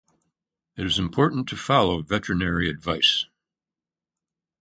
It is important to follow veterinary advice.